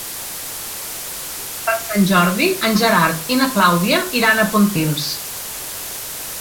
Per Sant Jordi en Gerard i na Clàudia iran a Pontils.